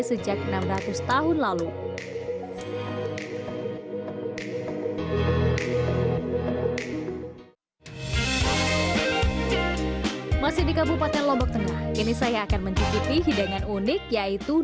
sejak enam ratus tahun lalu masih di kabupaten lombok tengah ini saya akan mencicipi hidangan unik yaitu